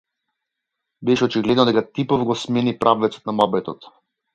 Беше очигледно дека типов го смени правецот на муабетот.